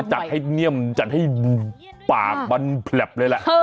จัดให้เนียมจัดให้ปากมันแผลบเลยแหละ